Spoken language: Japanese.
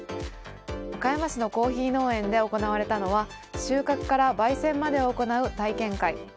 岡山市のコーヒー農園で行われたのは収穫から焙煎までを行う体験会。